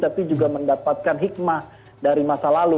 tapi juga mendapatkan hikmah dari masa lalu